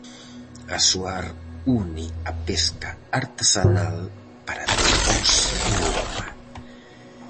Asoar une a pesca artesanal para ter voz en Europa.